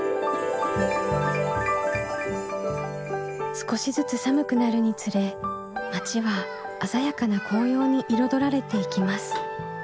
少しずつ寒くなるにつれ町は鮮やかな紅葉に彩られていきます。